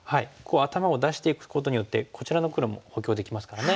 頭を出していくことによってこちらの黒も補強できますからね。